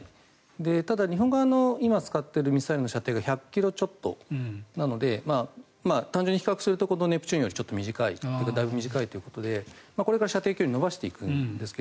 ただ、日本側の今、使っているミサイルの射程が１００ｋｍちょっとなので単純に比較するとネプチューンよりだいぶ短いということでこれから射程距離を伸ばしていくんですが。